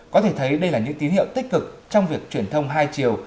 có thể thấy đây là những tín hiệu tích cực trong việc truyền thông hai chiều